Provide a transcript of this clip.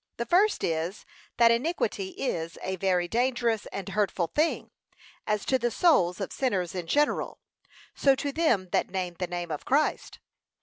The first is, that iniquity is a very dangerous and hurtful thing, as to the souls of sinners in general; so to them that name the name of Christ.